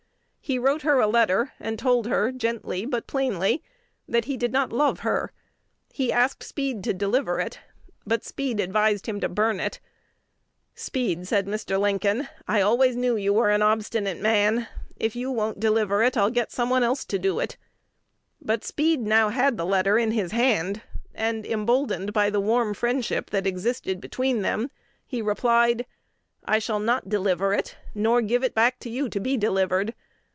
He wrote her a letter, and told her gently but plainly that he did not love her. He asked Speed to deliver it; but Speed advised him to burn it. "Speed," said Mr. Lincoln, "I always knew you were an obstinate man. If you won't deliver it, I'll get some one else to do it." But Speed now had the letter in his hand; and, emboldened by the warm friendship that existed between them, replied, "I shall not deliver it, nor give it to you to be delivered.